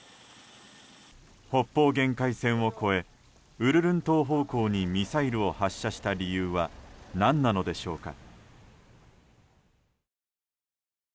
北方限界線を越えウルルン島方向にミサイルを発射した理由は何なのでしょうか。